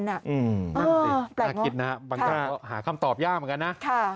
น่าคิดนะหาคำตอบยากเหมือนกันนะ